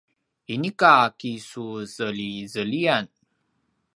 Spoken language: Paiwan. inika kisuzelizeliyan